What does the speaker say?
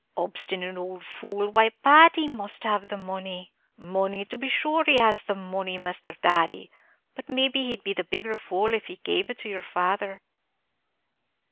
'" "Obstinate ould fool! why, Pat, he must have the money." "Money, to be shure he has the money, Misthur Thady; but maybe he'd be the bigger fool if he gave it to your father."